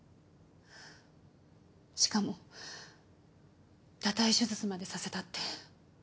しかも堕胎手術までさせたって。